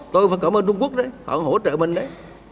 tôi cũng phải cảm ơn trung quốc đấy họ hỗ trợ mình đấy